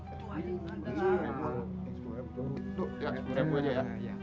itu aja yang ada